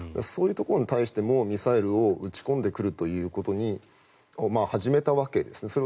そういうところに対してもミサイルを撃ち込んでくるということを始めたわけですね。